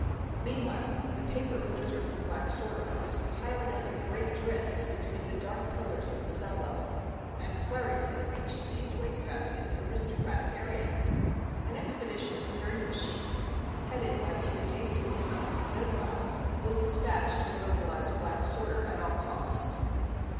Meanwhile, the paper blizzard from Black Sorter was piling up in great drifts between the dark pillars of the sublevel, and flurries had reached Pink Wastebasket's aristocratic area. An expedition of sturdy machines, headed by two hastily summoned snowplows, was dispatched to immobilize Black Sorter at all costs.